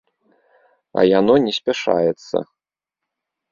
А яно не спяшаецца.